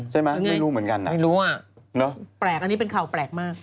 ใช่ไหมไม่รู้เหมือนกันไม่รู้อ่ะเปลกอันนี้เป็นข่าวเปลกมาก